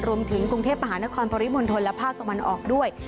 รวมถึงกรุงเทพมหานครปริมณฑลและภาคตะวันออกด้วย